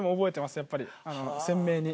やっぱり鮮明に。